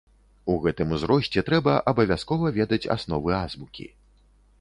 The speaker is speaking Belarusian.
У гэтым узросце трэба абавязкова ведаць асновы азбукі.